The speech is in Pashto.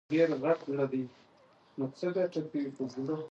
لوگر د افغانستان د اقتصادي منابعو ارزښت زیاتوي.